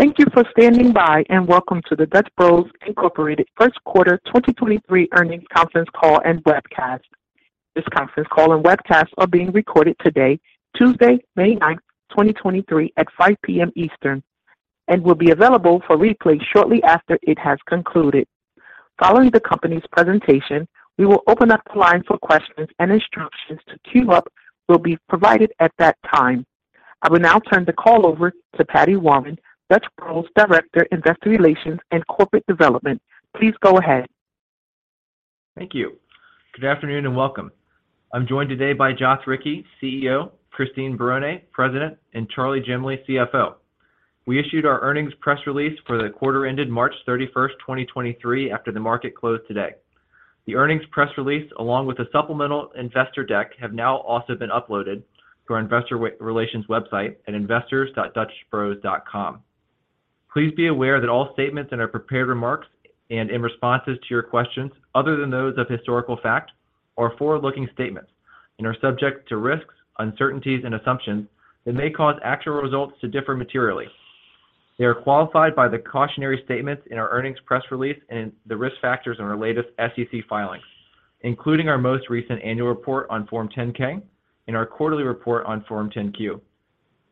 Thank you for standing by, and welcome to the Dutch Bros Inc. first quarter 2023 earnings conference call and webcast. This conference call and webcast are being recorded today, Tuesday, May 9th, 2023 at 5:00 P.M. Eastern, and will be available for replay shortly after it has concluded. Following the company's presentation, we will open up the line for questions and instructions to queue up will be provided at that time. I will now turn the call over to Paddy Warren, Dutch Bros Director, Investor Relations, and Corporate Development. Please go ahead. Thank you. Good afternoon, and welcome. I'm joined today by Joth Ricci, CEO; Christine Barone, President; and Charley Jemley, CFO. We issued our earnings press release for the quarter ended March 31st, 2023 after the market closed today. The earnings press release, along with a supplemental investor deck, have now also been uploaded to our investors.dutchbros.com. Please be aware that all statements in our prepared remarks and in responses to your questions other than those of historical fact are forward-looking statements and are subject to risks, uncertainties, and assumptions that may cause actual results to differ materially. They are qualified by the cautionary statements in our earnings press release and the risk factors in our latest SEC filings, including our most recent annual report on Form 10-K and our quarterly report on Form 10-Q.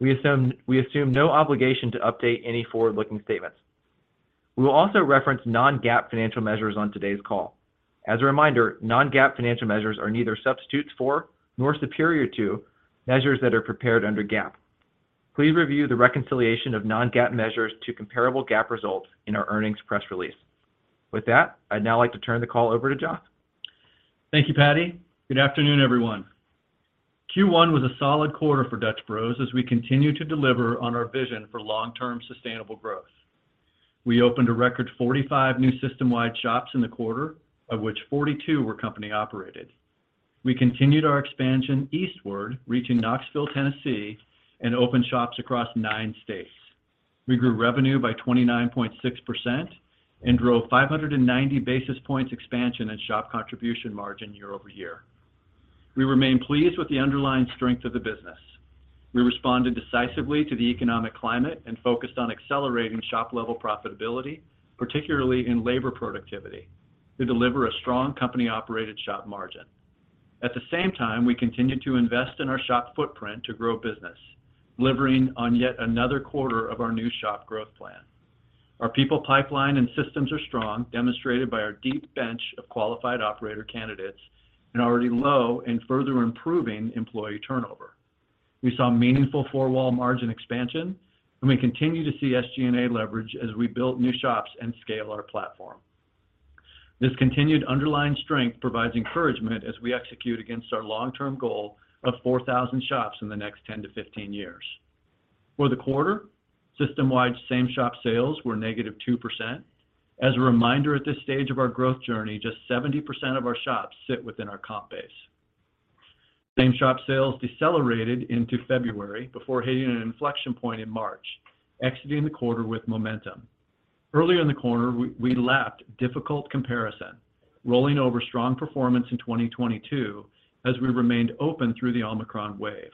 We assume no obligation to update any forward-looking statements. We will also reference non-GAAP financial measures on today's call. As a reminder, non-GAAP financial measures are neither substitutes for nor superior to measures that are prepared under GAAP. Please review the reconciliation of non-GAAP measures to comparable GAAP results in our earnings press release. With that, I'd now like to turn the call over to Joth. Thank you, Paddy. Good afternoon, everyone. Q1 was a solid quarter for Dutch Bros as we continue to deliver on our vision for long-term sustainable growth. We opened a record 45 new system-wide shops in the quarter, of which 42 were company operated. We continued our expansion eastward, reaching Knoxville, Tennessee, and opened shops across nine states. We grew revenue by 29.6% and drove 590 basis points expansion in shop contribution margin year-over-year. We remain pleased with the underlying strength of the business. We responded decisively to the economic climate and focused on accelerating shop-level profitability, particularly in labor productivity, to deliver a strong company-operated shop margin. At the same time, we continued to invest in our shop footprint to grow business, delivering on yet another quarter of our new shop growth plan. Our people pipeline and systems are strong, demonstrated by our deep bench of qualified operator candidates and already low and further improving employee turnover. We saw meaningful four-wall margin expansion. We continue to see SG&A leverage as we build new shops and scale our platform. This continued underlying strength provides encouragement as we execute against our long-term goal of 4,000 shops in the next 10-15 years. For the quarter, system-wide same shop sales were -2%. As a reminder, at this stage of our growth journey, just 70% of our shops sit within our comp base. Same shop sales decelerated into February before hitting an inflection point in March, exiting the quarter with momentum. Earlier in the quarter, we lapped difficult comparison, rolling over strong performance in 2022 as we remained open through the Omicron wave.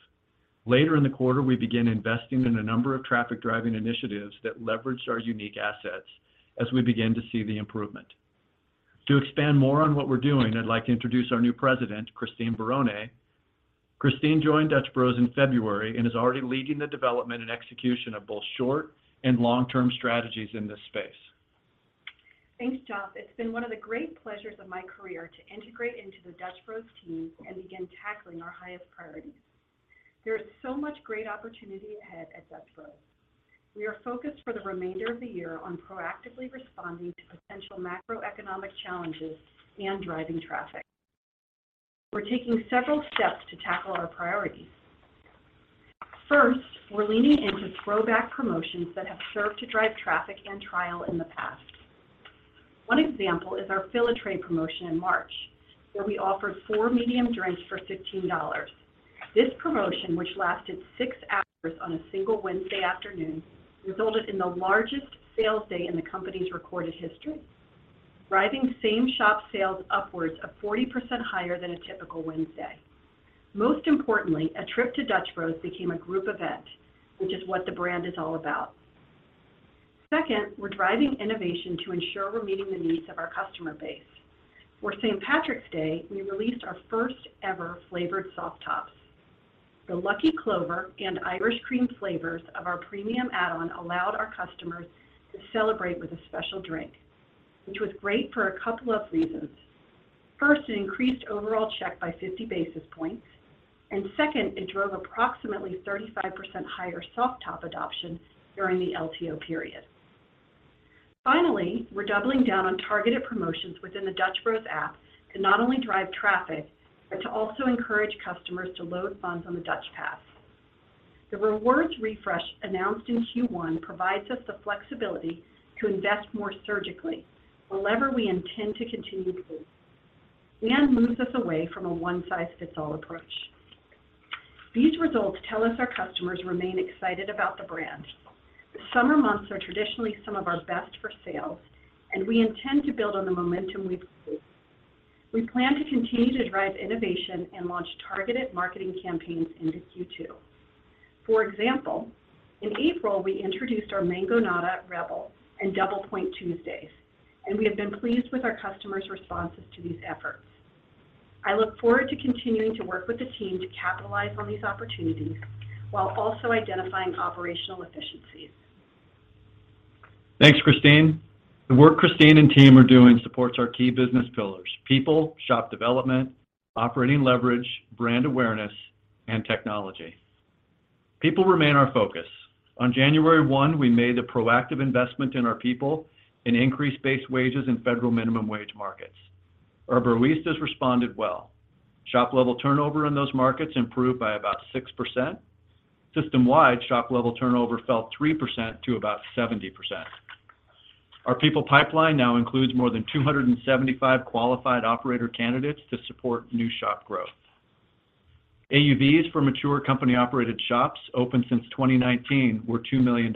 Later in the quarter, we began investing in a number of traffic-driving initiatives that leveraged our unique assets as we began to see the improvement. To expand more on what we're doing, I'd like to introduce our new president, Christine Barone. Christine joined Dutch Bros in February and is already leading the development and execution of both short- and long-term strategies in this space. Thanks, Joth. It's been one of the great pleasures of my career to integrate into the Dutch Bros team and begin tackling our highest priorities. There is so much great opportunity ahead at Dutch Bros. We are focused for the remainder of the year on proactively responding to potential macroeconomic challenges and driving traffic. We're taking several steps to tackle our priorities. First, we're leaning into throwback promotions that have served to drive traffic and trial in the past. One example is our Fill a Tray promotion in March, where we offered four medium drinks for $15. This promotion, which lasted six hours on a single Wednesday afternoon, resulted in the largest sales day in the company's recorded history, driving same shop sales upwards of 40% higher than a typical Wednesday. Most importantly, a trip to Dutch Bros became a group event, which is what the brand is all about. Second, we're driving innovation to ensure we're meeting the needs of our customer base. For St. Patrick's Day, we released our first ever flavored Soft Tops. The Lucky Clover and Irish Cream flavors of our premium add-on allowed our customers to celebrate with a special drink, which was great for a couple of reasons. First, it increased overall check by 50 basis points, and second, it drove approximately 35% higher Soft Top adoption during the LTO period. Finally, we're doubling down on targeted promotions within the Dutch Bros app to not only drive traffic, but to also encourage customers to load funds on the Dutch Pass. The rewards refresh announced in Q1 provides us the flexibility to invest more surgically, a lever we intend to continue to use, and moves us away from a one size fits all approach. These results tell us our customers remain excited about the brand. The summer months are traditionally some of our best for sales, and we intend to build on the momentum we've seen. We plan to continue to drive innovation and launch targeted marketing campaigns into Q2. For example, in April, we introduced our Mangonada Rebel and Double Point Tuesdays, and we have been pleased with our customers' responses to these efforts. I look forward to continuing to work with the team to capitalize on these opportunities while also identifying operational efficiencies. Thanks, Christine. The work Christine and team are doing supports our key business pillars, people, shop development, operating leverage, brand awareness, and technology. People remain our focus. On January 1, we made the proactive investment in our people and increased base wages in federal minimum wage markets. Our broistas responded well. Shop level turnover in those markets improved by about 6%. System-wide, shop level turnover fell 3% to about 70%. Our people pipeline now includes more than 275 qualified operator candidates to support new shop growth. AUVs for mature company operated shops opened since 2019 were $2 million.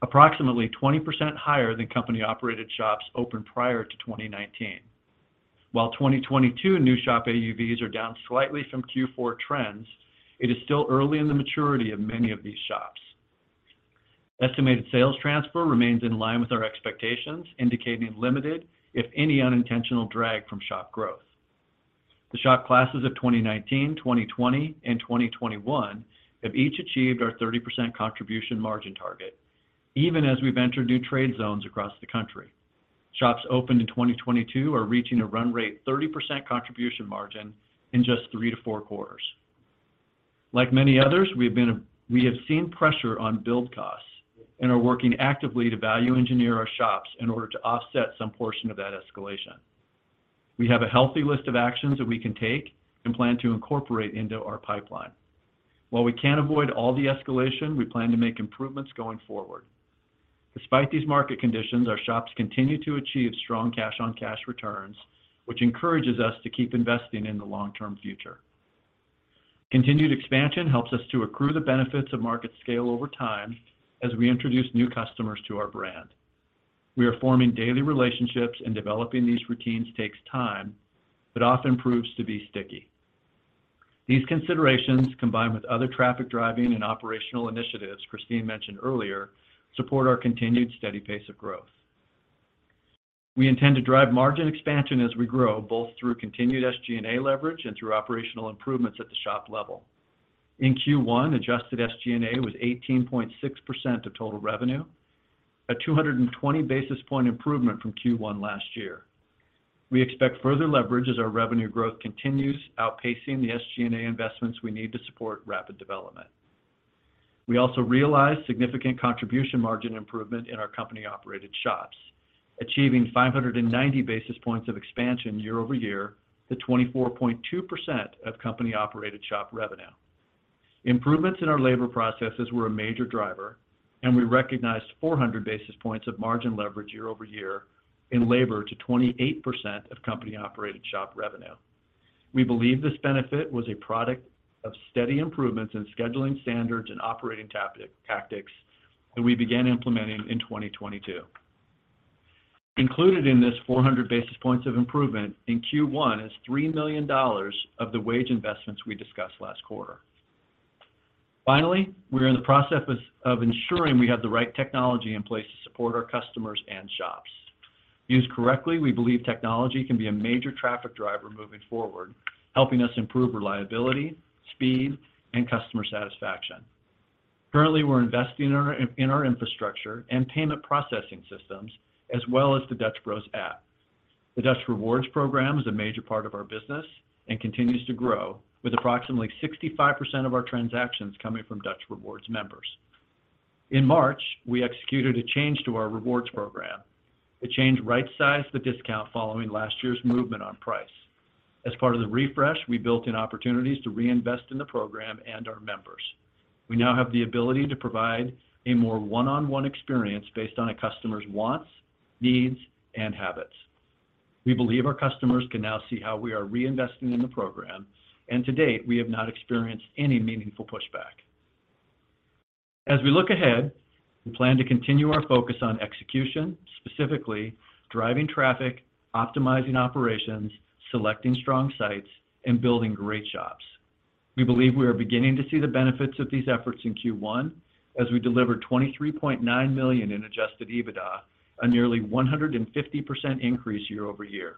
Approximately 20% higher than company operated shops opened prior to 2019. While 2022 new shop AUVs are down slightly from Q4 trends, it is still early in the maturity of many of these shops. Estimated sales transfer remains in line with our expectations, indicating limited, if any unintentional drag from shop growth. The shop classes of 2019, 2020 and 2021 have each achieved our 30% contribution margin target even as we've entered new trade zones across the country. Shops opened in 2022 are reaching a run rate 30% contribution margin in just three to four quarters. Like many others, we have seen pressure on build costs and are working actively to value engineer our shops in order to offset some portion of that escalation. We have a healthy list of actions that we can take and plan to incorporate into our pipeline. While we can't avoid all the escalation, we plan to make improvements going forward. Despite these market conditions, our shops continue to achieve strong cash-on-cash returns, which encourages us to keep investing in the long-term future. Continued expansion helps us to accrue the benefits of market scale over time as we introduce new customers to our brand. We are forming daily relationships. Developing these routines takes time, but often proves to be sticky. These considerations, combined with other traffic-driving and operational initiatives Christine mentioned earlier, support our continued steady pace of growth. We intend to drive margin expansion as we grow, both through continued SG&A leverage and through operational improvements at the shop level. In Q1, adjusted SG&A was 18.6% of total revenue, a 220 basis point improvement from Q1 last year. We expect further leverage as our revenue growth continues outpacing the SG&A investments we need to support rapid development. We also realized significant contribution margin improvement in our company operated shops, achieving 590 basis points of expansion year-over-year to 24.2% of company operated shop revenue. Improvements in our labor processes were a major driver, we recognized 400 basis points of margin leverage year-over-year in labor to 28% of company operated shop revenue. We believe this benefit was a product of steady improvements in scheduling standards and operating tactics that we began implementing in 2022. Included in this 400 basis points of improvement in Q1 is $3 million of the wage investments we discussed last quarter. Finally, we're in the process of ensuring we have the right technology in place to support our customers and shops. Used correctly, we believe technology can be a major traffic driver moving forward, helping us improve reliability, speed, and customer satisfaction. Currently, we're investing in our infrastructure and payment processing systems, as well as the Dutch Bros app. The Dutch Rewards program is a major part of our business and continues to grow with approximately 65% of our transactions coming from Dutch Rewards members. In March, we executed a change to our rewards program. The change right sized the discount following last year's movement on price. As part of the refresh, we built in opportunities to reinvest in the program and our members. We now have the ability to provide a more one-on-one experience based on a customer's wants, needs, and habits. We believe our customers can now see how we are reinvesting in the program, and to date, we have not experienced any meaningful pushback. We look ahead, we plan to continue our focus on execution, specifically driving traffic, optimizing operations, selecting strong sites, and building great shops. We believe we are beginning to see the benefits of these efforts in Q1 as we delivered $23.9 million in adjusted EBITDA, a nearly 150% increase year-over-year.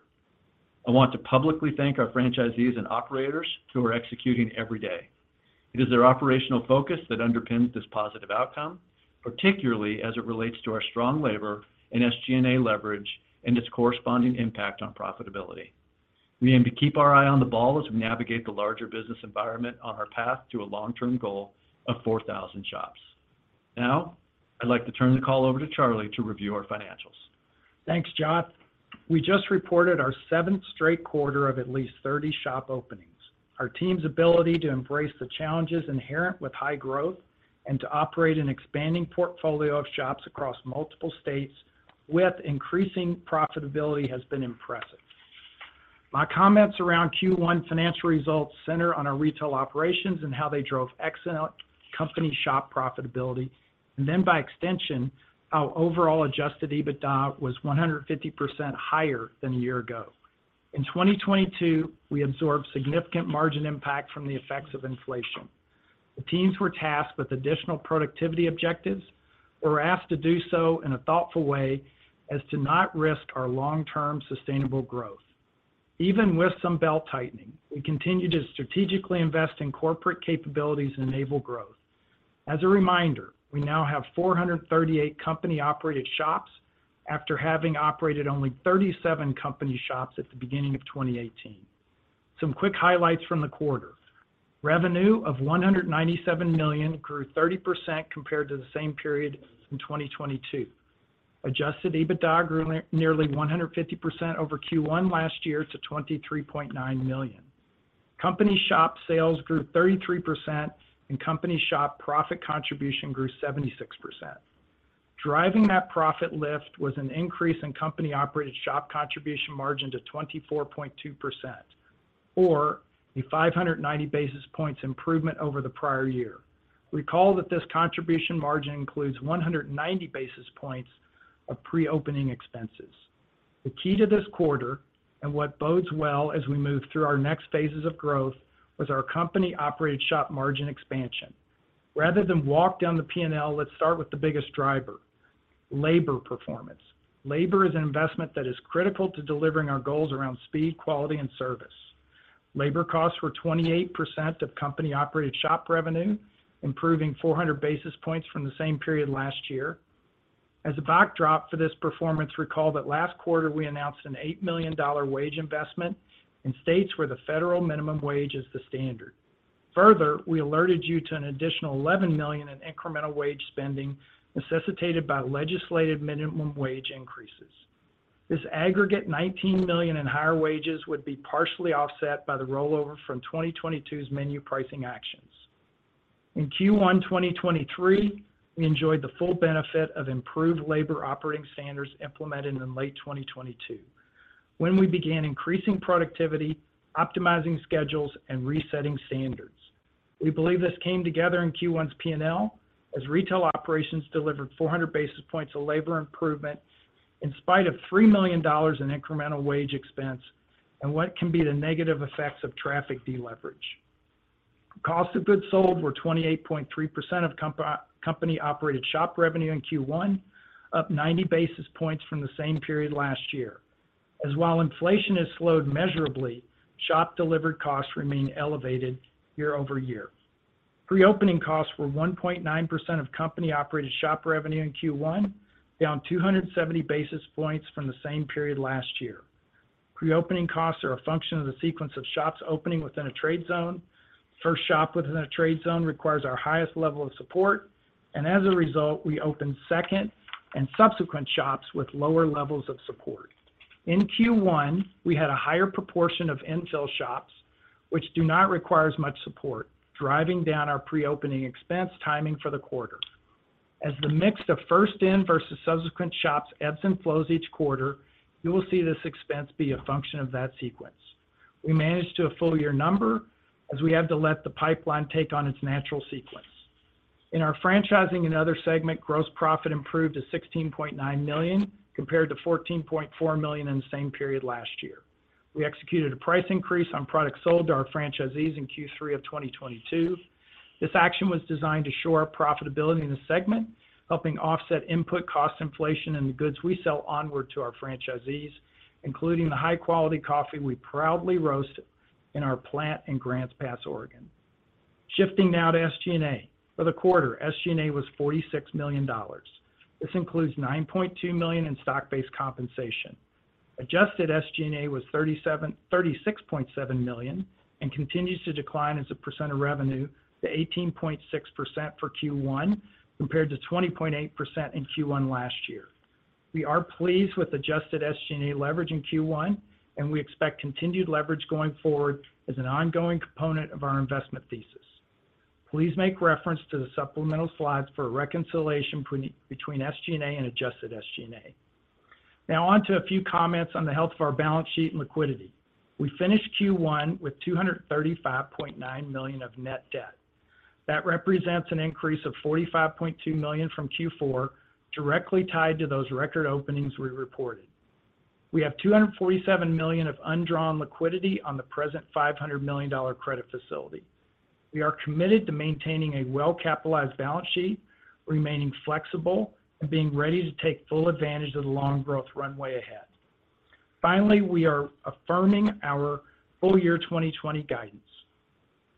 I want to publicly thank our franchisees and operators who are executing every day. It is their operational focus that underpins this positive outcome, particularly as it relates to our strong labor and SG&A leverage and its corresponding impact on profitability. We aim to keep our eye on the ball as we navigate the larger business environment on our path to a long-term goal of 4,000 shops. I'd like to turn the call over to Charley to review our financials. Thanks, Joth. We just reported our seventh straight quarter of at least 30 shop openings. Our team's ability to embrace the challenges inherent with high growth and to operate an expanding portfolio of shops across multiple states with increasing profitability has been impressive. My comments around Q1 financial results center on our retail operations and how they drove excellent company shop profitability. Then by extension, our overall adjusted EBITDA was 150% higher than a year ago. In 2022, we absorbed significant margin impact from the effects of inflation. The teams were tasked with additional productivity objectives, were asked to do so in a thoughtful way as to not risk our long-term sustainable growth. Even with some belt-tightening, we continue to strategically invest in corporate capabilities to enable growth. As a reminder, we now have 438 company-operated shops after having operated only 37 company shops at the beginning of 2018. Some quick highlights from the quarter. Revenue of $197 million grew 30% compared to the same period in 2022. Adjusted EBITDA grew nearly 150% over Q1 last year to $23.9 million. Company shop sales grew 33% and company shop profit contribution grew 76%. Driving that profit lift was an increase in company-operated shop contribution margin to 24.2% or a 590 basis points improvement over the prior year. Recall that this contribution margin includes 190 basis points of pre-opening expenses. The key to this quarter and what bodes well as we move through our next phases of growth was our company-operated shop margin expansion. Rather than walk down the P&L, let's start with the biggest driver, labor performance. Labor is an investment that is critical to delivering our goals around speed, quality, and service. Labor costs were 28% of company-operated shop revenue, improving 400 basis points from the same period last year. As a backdrop for this performance, recall that last quarter we announced an $8 million wage investment in states where the federal minimum wage is the standard. We alerted you to an additional $11 million in incremental wage spending necessitated by legislative minimum wage increases. This aggregate $19 million in higher wages would be partially offset by the rollover from 2022's menu pricing actions. In Q1 2023, we enjoyed the full benefit of improved labor operating standards implemented in late 2022 when we began increasing productivity, optimizing schedules, and resetting standards. We believe this came together in Q1's P&L as retail operations delivered 400 basis points of labor improvement in spite of $3 million in incremental wage expense and what can be the negative effects of traffic deleverage. Cost of goods sold were 28.3% of company-operated shop revenue in Q1, up 90 basis points from the same period last year. While inflation has slowed measurably, shop delivered costs remain elevated year-over-year. Pre-opening costs were 1.9% of company-operated shop revenue in Q1, down 270 basis points from the same period last year. Pre-opening costs are a function of the sequence of shops opening within a trade zone. First shop within a trade zone requires our highest level of support. As a result, we open second and subsequent shops with lower levels of support. In Q1, we had a higher proportion of infill shops which do not require as much support, driving down our pre-opening expense timing for the quarter. As the mix of first in versus subsequent shops ebbs and flows each quarter, you will see this expense be a function of that sequence. We managed to a full year number as we had to let the pipeline take on its natural sequence. In our franchising and other segment, gross profit improved to $16.9 million, compared to $14.4 million in the same period last year. We executed a price increase on products sold to our franchisees in Q3 of 2022. This action was designed to shore up profitability in the segment, helping offset input cost inflation in the goods we sell onward to our franchisees, including the high-quality coffee we proudly roast in our plant in Grants Pass, Oregon. Shifting now to SG&A. For the quarter, SG&A was $46 million. This includes $9.2 million in stock-based compensation. Adjusted SG&A was $36.7 million and continues to decline as a percent of revenue to 18.6% for Q1 compared to 20.8% in Q1 last year. We are pleased with adjusted SG&A leverage in Q1. We expect continued leverage going forward as an ongoing component of our investment thesis. Please make reference to the supplemental slides for a reconciliation between SG&A and adjusted SG&A. Now on to a few comments on the health of our balance sheet and liquidity. We finished Q1 with $235.9 million of net debt. That represents an increase of $45.2 million from Q4 directly tied to those record openings we reported. We have $247 million of undrawn liquidity on the present $500 million credit facility. We are committed to maintaining a well-capitalized balance sheet, remaining flexible, and being ready to take full advantage of the long growth runway ahead. We are affirming our full year 2020 guidance.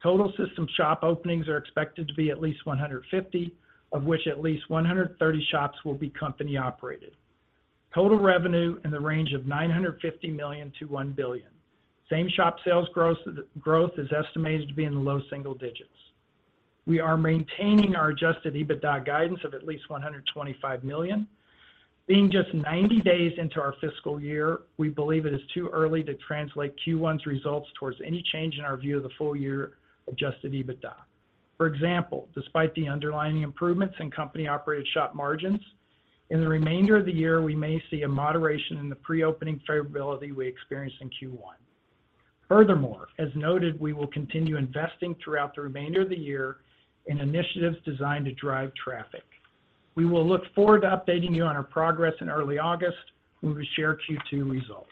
Total system shop openings are expected to be at least 150, of which at least 130 shops will be company operated. Total revenue in the range of $950 million-$1 billion. Same-shop sales growth is estimated to be in the low single digits. We are maintaining our adjusted EBITDA guidance of at least $125 million. Being just 90 days into our fiscal year, we believe it is too early to translate Q1's results towards any change in our view of the full year adjusted EBITDA. For example, despite the underlying improvements in company-operated shop margins, in the remainder of the year, we may see a moderation in the pre-opening variability we experienced in Q1. Furthermore, as noted, we will continue investing throughout the remainder of the year in initiatives designed to drive traffic. We will look forward to updating you on our progress in early August when we share Q2 results.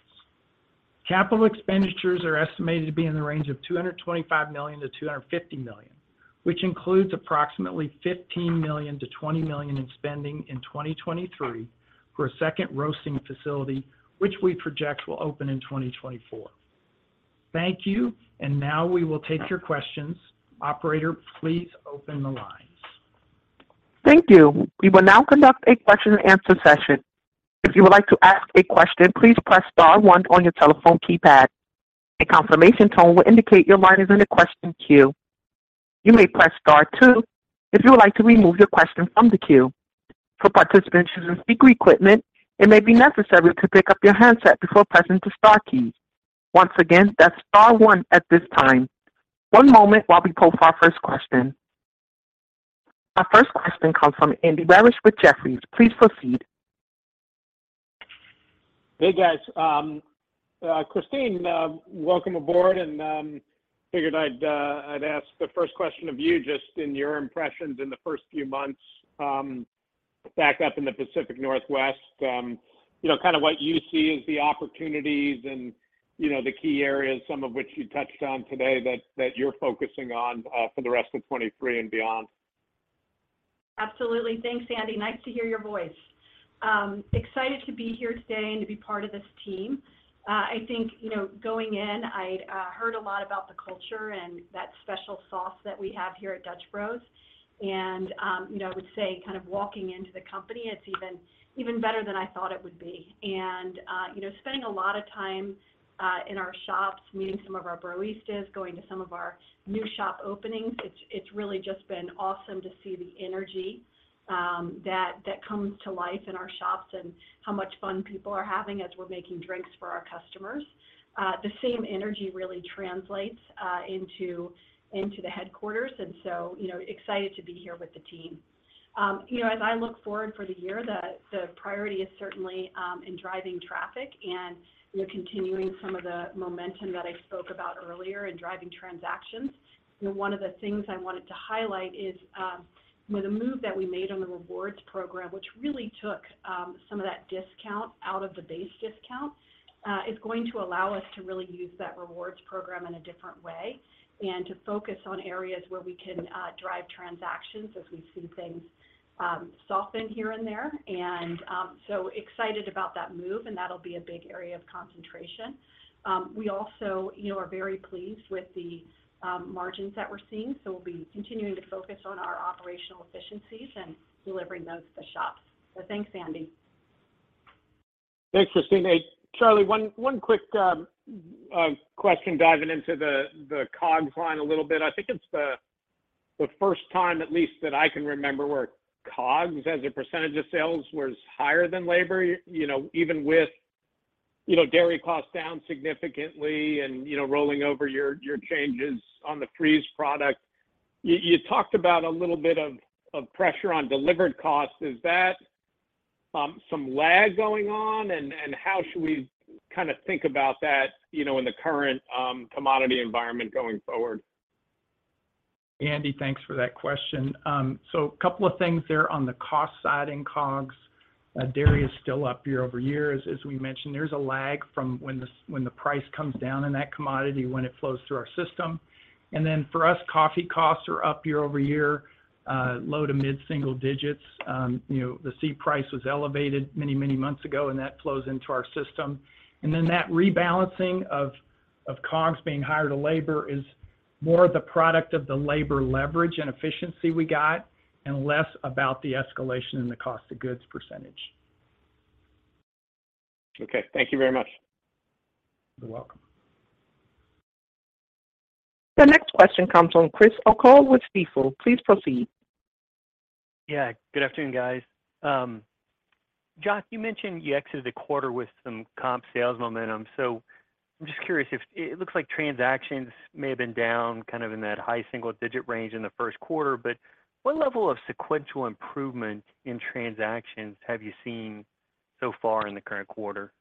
Capital expenditures are estimated to be in the range of $225 million-$250 million, which includes approximately $15 million-$20 million in spending in 2023 for a second roasting facility, which we project will open in 2024. Thank you. Now we will take your questions. Operator, please open the lines. Thank you. We will now conduct a question and answer session. If you would like to ask a question, please press star one on your telephone keypad. A confirmation tone will indicate your line is in the question queue. You may press star two if you would like to remove your question from the queue. For participants using speaker equipment, it may be necessary to pick up your handset before pressing the star keys. Once again, that's star one at this time. One moment while we pull for our first question. Our first question comes from Andy Barish with Jefferies. Please proceed. Hey, guys. Christine, welcome aboard, and figured I'd ask the first question of you just in your impressions in the first few months, back up in the Pacific Northwest. You know, kind of what you see as the opportunities and, you know, the key areas, some of which you touched on today that you're focusing on, for the rest of 2023 and beyond. Absolutely. Thanks, Andy. Nice to hear your voice. excited to be here today and to be part of this team. I think, you know, going in, I'd heard a lot about the culture and that special sauce that we have here at Dutch Bros. you know, I would say kind of walking into the company, it's even better than I thought it would be. you know, spending a lot of time in our shops, meeting some of our broistas, going to some of our new shop openings, it's really just been awesome to see the energy that comes to life in our shops and how much fun people are having as we're making drinks for our customers. The same energy really translates into the headquarters. You know, excited to be here with the team. You know, as I look forward for the year, the priority is certainly in driving traffic and, you know, continuing some of the momentum that I spoke about earlier in driving transactions. You know, one of the things I wanted to highlight is, you know, the move that we made on the rewards program, which really took some of that discount out of the base discount, is going to allow us to really use that rewards program in a different way and to focus on areas where we can drive transactions as we see things soften here and there. So excited about that move, and that'll be a big area of concentration. We also, you know, are very pleased with the margins that we're seeing, so we'll be continuing to focus on our operational efficiencies and delivering those to shops. Thanks, Andy. Thanks, Christine. Hey, Charlie, one quick question diving into the COGS line a little bit. I think it's the first time at least that I can remember where COGS as a percentage of sales was higher than labor. You know, even with, you know, dairy costs down significantly and, you know, rolling over your changes on the freeze product. You talked about a little bit of pressure on delivered costs. Is that some lag going on? How should we kind of think about that, you know, in the current commodity environment going forward? Andy, thanks for that question. A couple of things there on the cost side in COGS. Dairy is still up year-over-year. As we mentioned, there's a lag from when the price comes down in that commodity when it flows through our system. For us, coffee costs are up year-over-year, low to mid single digits. You know, the C price was elevated many months ago, and that flows into our system. That rebalancing of COGS being higher to labor is more the product of the labor leverage and efficiency we got and less about the escalation in the cost of goods percentage. Okay. Thank you very much. You're welcome. The next question comes from Chris O'Cull with Stifel. Please proceed. Yeah. Good afternoon, guys. Joth, you mentioned you exited the quarter with some comp sales momentum. I'm just curious, it looks like transactions may have been down kind of in that high single-digit range in the first quarter, but what level of sequential improvement in transactions have you seen so far in the current quarter?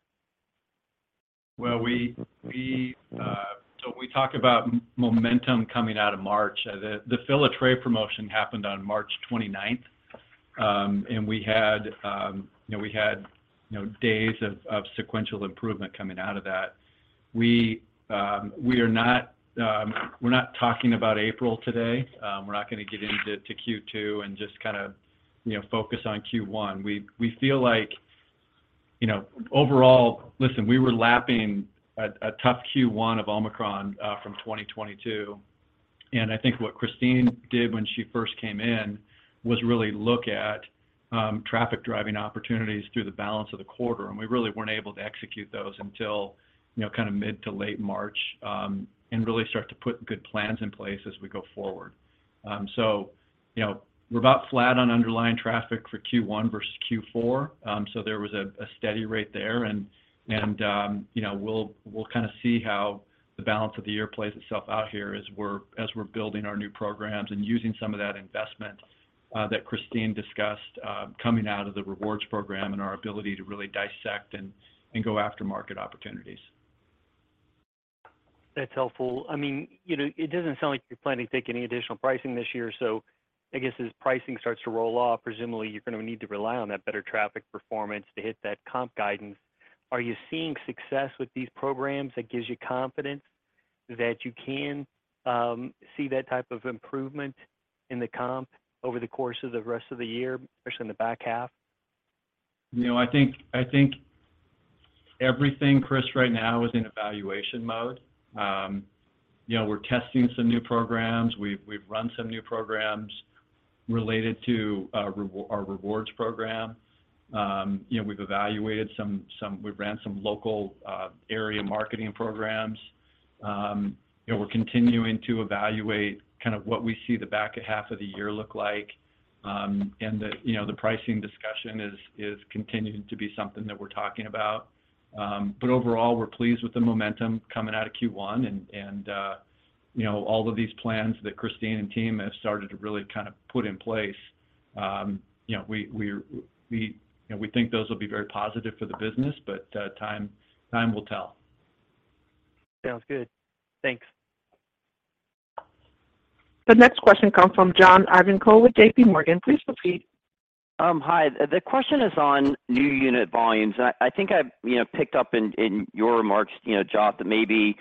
Well, when we talk about momentum coming out of March, the Fill a Tray promotion happened on March 29th. We had, you know, we had, you know, days of sequential improvement coming out of that. We are not, we're not talking about April today. We're not gonna get into Q2 just kinda, you know, focus on Q1. We feel like, you know, Listen, we were lapping a tough Q1 of Omicron from 2022. I think what Christine did when she first came in was really look at traffic-driving opportunities through the balance of the quarter, we really weren't able to execute those until, you know, kind of mid to late March, really start to put good plans in place as we go forward. You know, we're about flat on underlying traffic for Q1 versus Q4. There was a steady rate there. You know, we'll kind of see how the balance of the year plays itself out here as we're building our new programs and using some of that investment that Christine discussed, coming out of the rewards program and our ability to really dissect and go after market opportunities. That's helpful. I mean, you know, it doesn't sound like you're planning to take any additional pricing this year. I guess as pricing starts to roll off, presumably you're gonna need to rely on that better traffic performance to hit that comp guidance. Are you seeing success with these programs that gives you confidence that you can see that type of improvement in the comp over the course of the rest of the year, especially in the back half? You know, I think everything, Chris, right now is in evaluation mode. You know, we're testing some new programs. We've run some new programs related to our rewards program. You know, we've evaluated some we've ran some local area marketing programs. You know, we're continuing to evaluate kind of what we see the back half of the year look like. The, you know, the pricing discussion is continuing to be something that we're talking about. Overall, we're pleased with the momentum coming out of Q1 and, you know, all of these plans that Christine and team have started to really kind of put in place. You know, we, you know, we think those will be very positive for the business, but time will tell. Sounds good. Thanks. The next question comes from John Ivankoe with J.P. Morgan. Please proceed. Hi. The question is on new unit volumes. I think I've, you know, picked up in your remarks, you know, Joth, that maybe,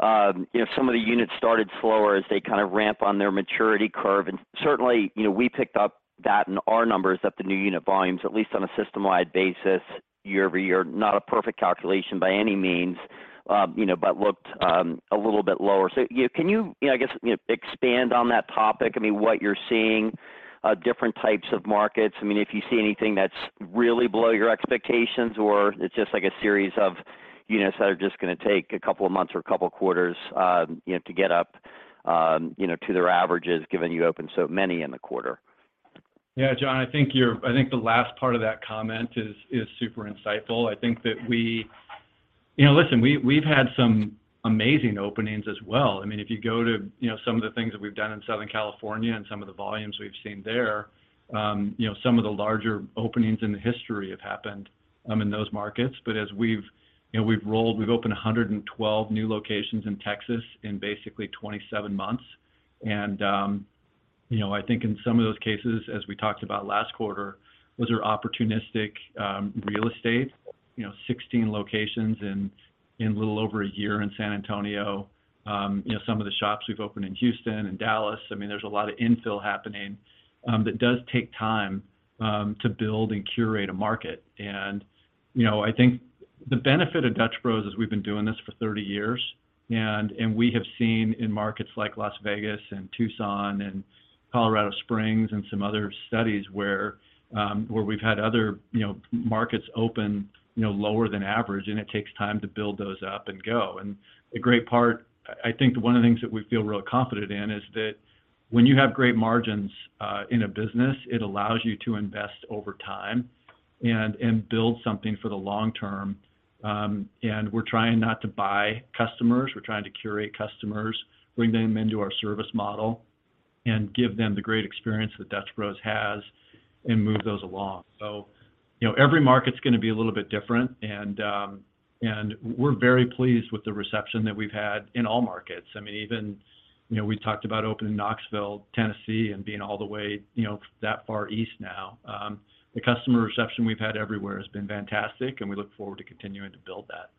you know, some of the units started slower as they kind of ramp on their maturity curve. Certainly, you know, we picked up that in our numbers that the new unit volumes, at least on a system-wide basis, year-over-year, not a perfect calculation by any means, you know, but looked a little bit lower. You know, can you, I guess, expand on that topic? I mean, what you're seeing, different types of markets. I mean, if you see anything that's really below your expectations or it's just like a series of units that are just gonna take a couple of months or a couple quarters, you know, to get up, you know, to their averages, given you opened so many in the quarter. Yeah. John, I think the last part of that comment is super insightful. You know, listen, we've had some amazing openings as well. I mean, if you go to, you know, some of the things that we've done in Southern California and some of the volumes we've seen there, you know, some of the larger openings in the history have happened in those markets. As we've, you know, we've opened 112 new locations in Texas in basically 27 months. You know, I think in some of those cases, as we talked about last quarter, those are opportunistic real estate. You know, 16 locations in a little over a year in San Antonio. You know, some of the shops we've opened in Houston and Dallas, there's a lot of infill happening, that does take time to build and curate a market. You know, I think the benefit of Dutch Bros is we've been doing this for 30 years, and we have seen in markets like Las Vegas and Tucson and Colorado Springs and some other studies where we've had other, you know, markets open, you know, lower than average, and it takes time to build those up and go. The great part-- I think one of the things that we feel real confident in is that when you have great margins in a business, it allows you to invest over time and build something for the long term. We're trying not to buy customers. We're trying to curate customers, bring them into our service model, and give them the great experience that Dutch Bros has and move those along. You know, every market's gonna be a little bit different and we're very pleased with the reception that we've had in all markets. I mean, even, you know, we talked about opening Knoxville, Tennessee, and being all the way, you know, that far east now. The customer reception we've had everywhere has been fantastic, and we look forward to continuing to build that.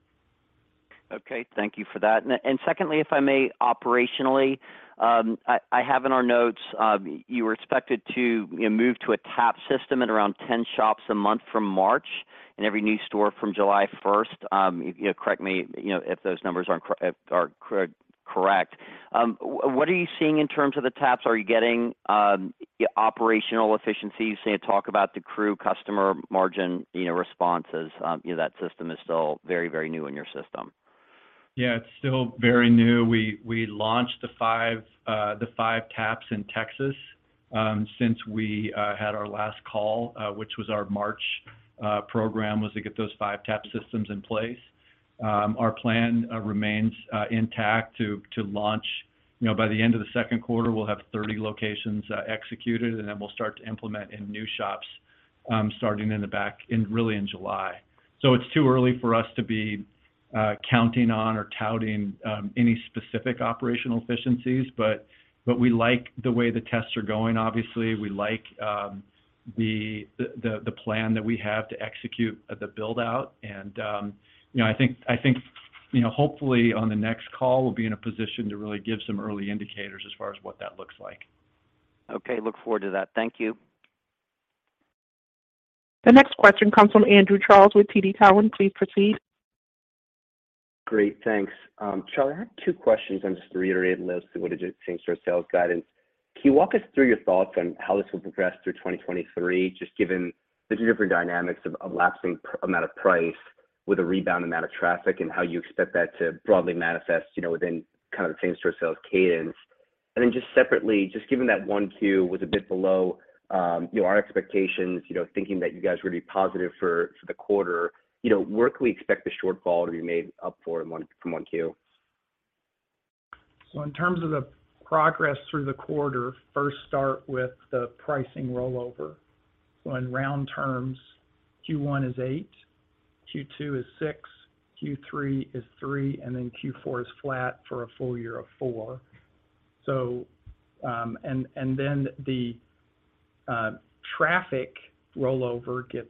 Okay. Thank you for that. Secondly, if I may, operationally, I have in our notes, you were expected to, you know, move to a tap system at around 10 shops a month from March and every new store from July 1st. You know, correct me, you know, if those numbers aren't correct. What are you seeing in terms of the taps? Are you getting operational efficiencies? You say you talk about the crew customer margin, you know, responses. You know, that system is still very, very new in your system. It's still very new. We launched the five taps in Texas since we had our last call, which was our March program, was to get those five tap systems in place. Our plan remains intact to launch. You know, by the end of the second quarter, we'll have 30 locations executed, and then we'll start to implement in new shops, starting in the back, in really in July. It's too early for us to be counting on or touting any specific operational efficiencies, but we like the way the tests are going, obviously. We like the plan that we have to execute the build-out. You know, I think, you know, hopefully, on the next call, we'll be in a position to really give some early indicators as far as what that looks like. Okay. Look forward to that. Thank you. The next question comes from Andrew Charles with TD Cowen. Please proceed. Great. Thanks. Charley, I have two questions and just to reiterate, listen, what it did same-store sales guidance. Can you walk us through your thoughts on how this will progress through 2023, just given the different dynamics of lapsing amount of price with a rebound amount of traffic and how you expect that to broadly manifest, you know, within kind of the same-store sales cadence? Just separately, just given that 1Q was a bit below, you know, our expectations, you know, thinking that you guys were gonna be positive for the quarter, you know, where can we expect the shortfall to be made up for from 1Q? In terms of the progress through the quarter, first, start with the pricing rollover. In round terms, Q1 is 8%, Q2 is 6%, Q3 is 3%, Q4 is flat for a full year of 4%. The traffic rollover gets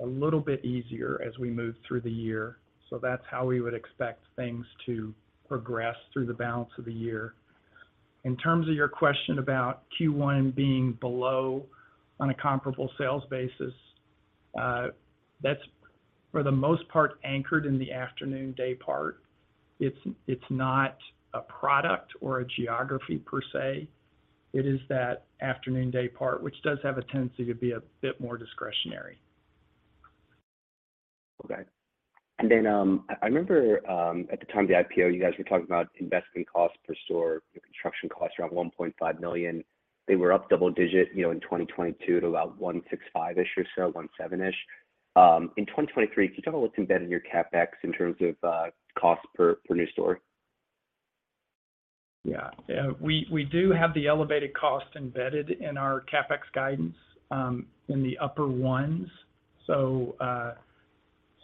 a little bit easier as we move through the year. That's how we would expect things to progress through the balance of the year. In terms of your question about Q1 being below on a comparable sales basis, that's for the most part anchored in the afternoon day part. It's not a product or a geography per se. It is that afternoon day part, which does have a tendency to be a bit more discretionary. Okay. I remember, at the time of the IPO, you guys were talking about investing costs per store, your construction costs around $1.5 million. They were up double-digit, you know, in 2022 to about $1.65-ish or so, $1.7-ish. In 2023, could you tell me what's embedded in your CapEx in terms of, cost per new store? Yeah. We do have the elevated cost embedded in our CapEx guidance in the upper ones.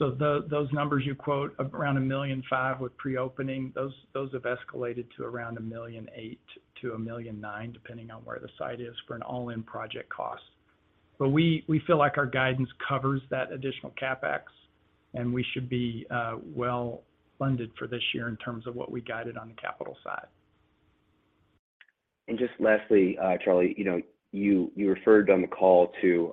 Those numbers you quote, around $1.5 million with pre-opening, those have escalated to around $1.8 million-$1.9 million, depending on where the site is for an all-in project cost. We feel like our guidance covers that additional CapEx, and we should be well funded for this year in terms of what we guided on the capital side. Just lastly, Charley, you know, you referred on the call to,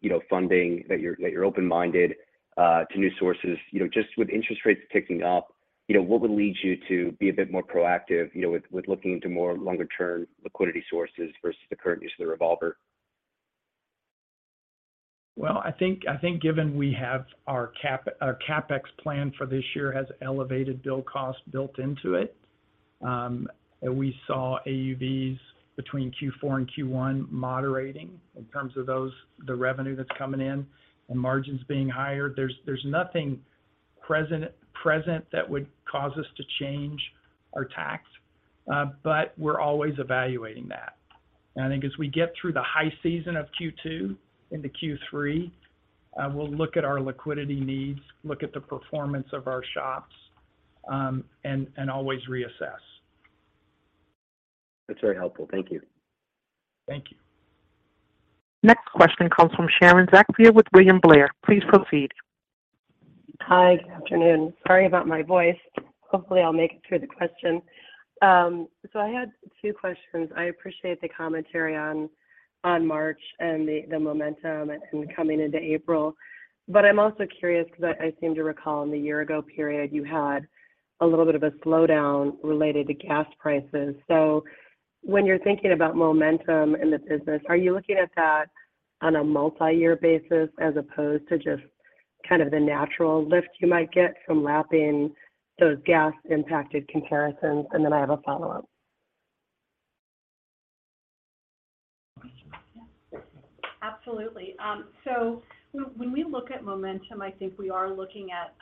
you know, funding that you're open-minded, to new sources. You know, just with interest rates ticking up, you know, what would lead you to be a bit more proactive, you know, with looking into more longer-term liquidity sources versus the current use of the revolver? Well, I think given we have our CapEx plan for this year has elevated bill cost built into it, and we saw AUVs between Q4 and Q1 moderating in terms of those, the revenue that's coming in and margins being higher. There's nothing present that would cause us to change our tact, but we're always evaluating that. I think as we get through the high season of Q2 into Q3, we'll look at our liquidity needs, look at the performance of our shops, and always reassess. That's very helpful. Thank you. Thank you. Next question comes from Sharon Zackfia with William Blair. Please proceed. Hi. Good afternoon. Sorry about my voice. Hopefully, I'll make it through the question. I had two questions. I appreciate the commentary on March and the momentum and coming into April. I'm also curious because I seem to recall in the year-ago period, you had a little bit of a slowdown related to gas prices. When you're thinking about momentum in the business, are you looking at that on a multi-year basis as opposed to just kind of the natural lift you might get from lapping those gas-impacted comparisons? I have a follow-up. Absolutely. When we look at momentum, I think we are looking at,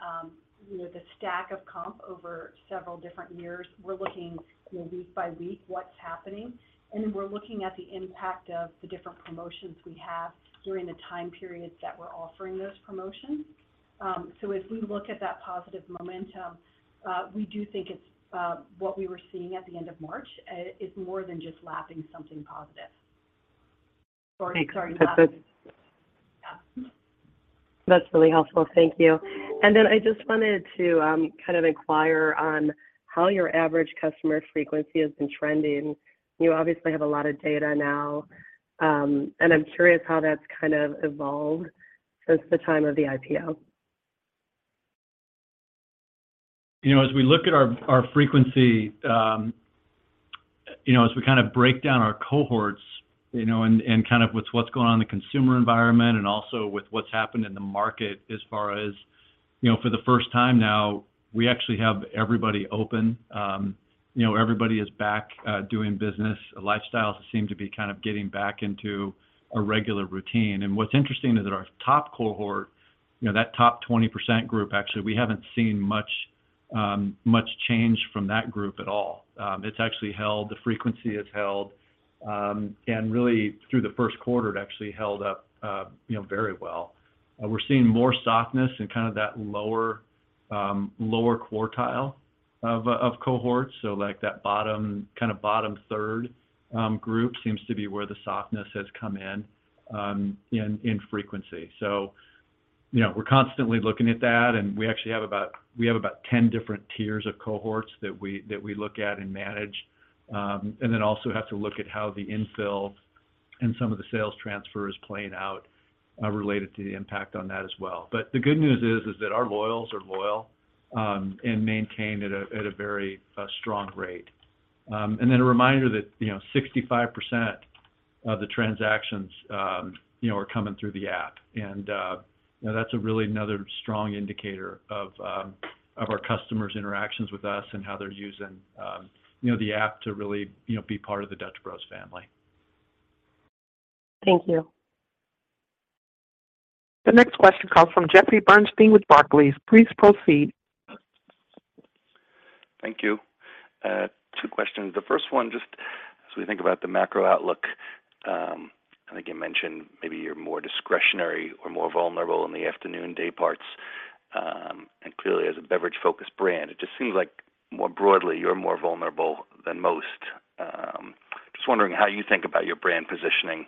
you know, the stack of comp over several different years. We're looking, you know, week by week what's happening, and then we're looking at the impact of the different promotions we have during the time periods that we're offering those promotions. As we look at that positive momentum, we do think it's what we were seeing at the end of March, is more than just lapping something positive. Okay. Or sorry, not-. That's it. Yeah. That's really helpful. Thank you. I just wanted to kind of inquire on how your average customer frequency has been trending. You obviously have a lot of data now, I'm curious how that's kind of evolved since the time of the IPO. You know, as we look at our frequency, you know, as we kind of break down our cohorts, you know, and kind of with what's going on in the consumer environment and also with what's happened in the market as far as, you know, for the first time now, we actually have everybody open. You know, everybody is back doing business. Lifestyles seem to be kind of getting back into a regular routine. What's interesting is that our top cohort, you know, that top 20% group, actually, we haven't seen much change from that group at all. It's actually held. The frequency has held. Really through the first quarter, it actually held up, you know, very well. We're seeing more softness in kind of that lower lower quartile of cohorts. Like that bottom, kind of bottom third, group seems to be where the softness has come in frequency. You know, we're constantly looking at that, and we actually have about 10 different tiers of cohorts that we, that we look at and manage. Then also have to look at how the infill and some of the sales transfer is playing out, related to the impact on that as well. The good news is that our loyals are loyal, and maintain at a very strong rate. Then a reminder that, you know, 65% of the transactions, you know, are coming through the app. You know, that's a really another strong indicator of our customers' interactions with us and how they're using, you know, the app to really, you know, be part of the Dutch Bros family. Thank you. The next question comes from Jeffrey Bernstein with Barclays. Please proceed. Thank you. Two questions. The first one, just as we think about the macro outlook, I think you mentioned maybe you're more discretionary or more vulnerable in the afternoon day parts. clearly, as a beverage-focused brand, it just seems like more broadly, you're more vulnerable than most. just wondering how you think about your brand positioning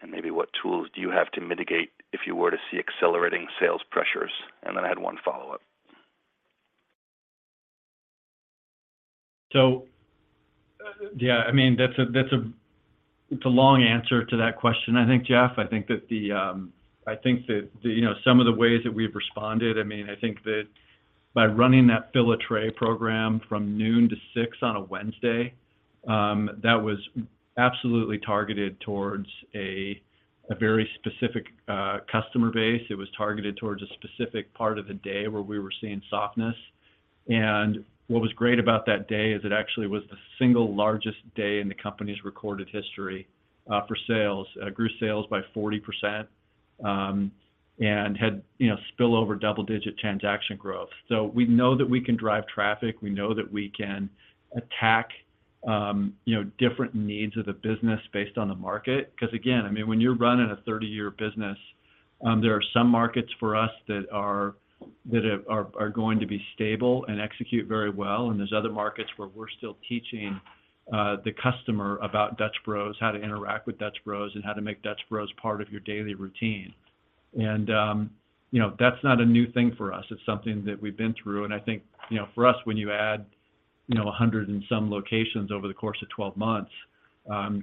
and maybe what tools do you have to mitigate if you were to see accelerating sales pressures. then I had one follow-up. Yeah, I mean, it's a long answer to that question, I think, Jeffrey. I think that, you know, some of the ways that we've responded, I mean, I think that by running that Fill a Tray program from 12:00 P.M. to 6:00 P.M. on a Wednesday, that was absolutely targeted towards a very specific customer base. It was targeted towards a specific part of the day where we were seeing softness. What was great about that day is it actually was the single largest day in the company's recorded history for sales. Grew sales by 40%, and had, you know, spillover double-digit transaction growth. We know that we can drive traffic, we know that we can attack, you know, different needs of the business based on the market. Again, I mean, when you're running a 30-year business, there are some markets for us that are going to be stable and execute very well, and there's other markets where we're still teaching the customer about Dutch Bros, how to interact with Dutch Bros, and how to make Dutch Bros part of your daily routine. You know, that's not a new thing for us. It's something that we've been through. I think, you know, for us, when you add, you know, 100 and some locations over the course of 12 months,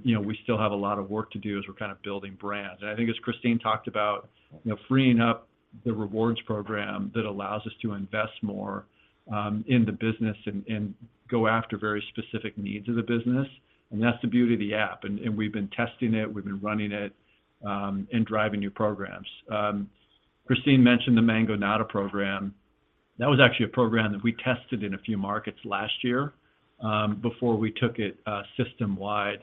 you know, we still have a lot of work to do as we're kind of building brand. I think as Christine talked about, you know, freeing up the rewards program that allows us to invest more in the business and go after very specific needs of the business. That's the beauty of the app. We've been testing it, we've been running it and driving new programs. Christine mentioned the Mangonada program. That was actually a program that we tested in a few markets last year before we took it system-wide,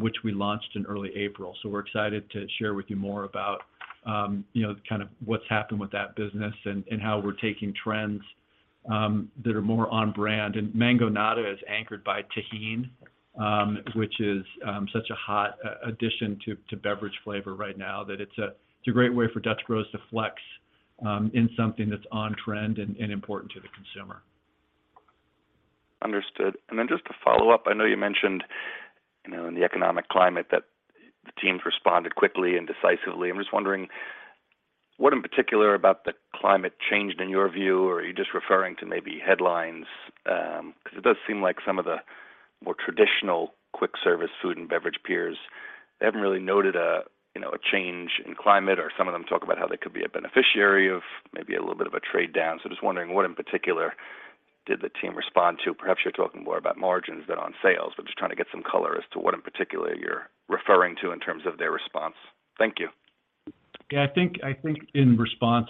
which we launched in early April. We're excited to share with you more about, you know, kind of what's happened with that business and how we're taking trends that are more on brand. Mangonada is anchored by Tajín, which is such a hot addition to beverage flavor right now, that it's a, it's a great way for Dutch Bros to flex in something that's on trend and important to the consumer. Understood. Just to follow up, I know you mentioned, you know, in the economic climate that the teams responded quickly and decisively. I'm just wondering, what in particular about the climate changed in your view, or are you just referring to maybe headlines? Because it does seem like some of the more traditional quick service food and beverage peers, they haven't really noted a, you know, a change in climate, or some of them talk about how they could be a beneficiary of maybe a little bit of a trade-down. Just wondering what in particular did the team respond to? Perhaps you're talking more about margins than on sales, but just trying to get some color as to what in particular you're referring to in terms of their response. Thank you. Yeah, I think in response.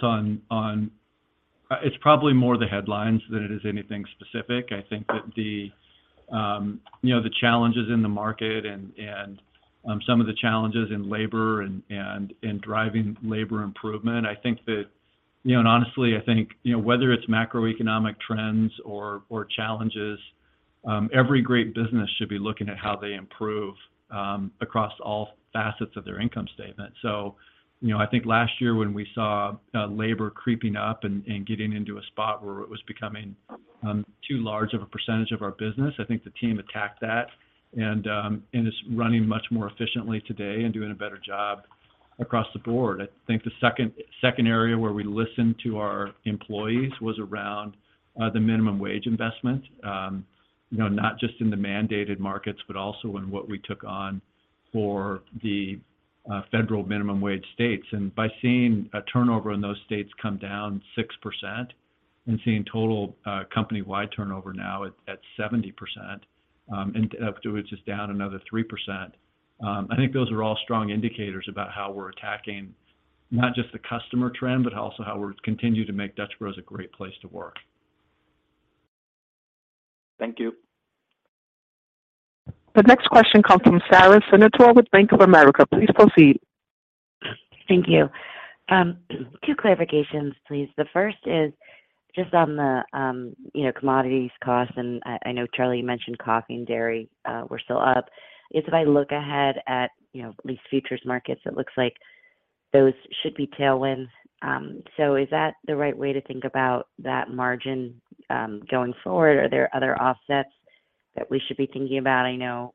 It's probably more the headlines than it is anything specific. I think that the, you know, the challenges in the market and some of the challenges in labor and in driving labor improvement, I think that, you know, and honestly, I think, you know, whether it's macroeconomic trends or challenges, every great business should be looking at how they improve across all facets of their income statement. You know, I think last year when we saw labor creeping up and getting into a spot where it was becoming too large of a percentage of our business, I think the team attacked that and it's running much more efficiently today and doing a better job across the board. I think the second area where we listened to our employees was around the minimum wage investment. You know, not just in the mandated markets, but also in what we took on for the federal minimum wage states. By seeing a turnover in those states come down 6% and seeing total company-wide turnover now at 70%, which is down another 3%, I think those are all strong indicators about how we're attacking not just the customer trend, but also how we're continue to make Dutch Bros a great place to work. Thank you. The next question comes from Sara Senatore with Bank of America. Please proceed. Thank you. Two clarifications, please. The first is just on the, you know, commodities costs, and I know, Charley, you mentioned coffee and dairy were still up. If I look ahead at, you know, at least futures markets, it looks like those should be tailwinds. Is that the right way to think about that margin going forward? Are there other offsets that we should be thinking about? I know,